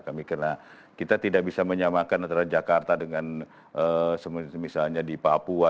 karena kita tidak bisa menyamakan antara jakarta dengan misalnya di papua